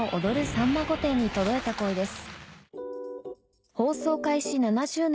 さんま御殿‼』に届いた声です